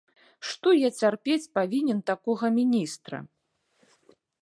Што я цярпець павінен такога міністра?